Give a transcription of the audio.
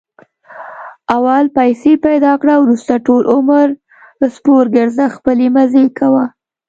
اول پیسې پیدا کړه، ورسته ټول عمر سپورګرځه خپلې مزې کوه.